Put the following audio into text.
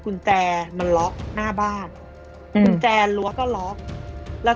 กุญแจมันล็อคหน้าบ้านอืมรัวก็ล็อคแล้ว